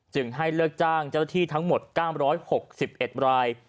จึงให้เลือกจ้างเจ้าหน้าที่ทั้งหมดก้ามร้อยหกสิบเอ็ดไบร์